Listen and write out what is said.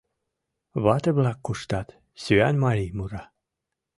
Вате-влак куштат, сӱанмарий мура: